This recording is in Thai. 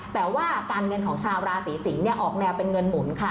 แต่ว่าการเงินของชาวราศีสิงศ์ออกแนวเป็นเงินหมุนค่ะ